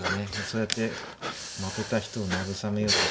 そうやって負けた人を慰めようと。